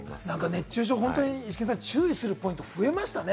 熱中症、イシケンさん、注意するポイント増えましたね。